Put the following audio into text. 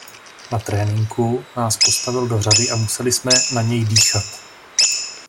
Na tréninku nás postavil do řady a museli jsme na něj dýchat.